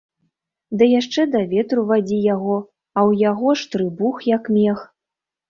Ды яшчэ да ветру вадзі яго, а ў яго ж трыбух, як мех.